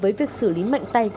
với việc xử lý mạnh tay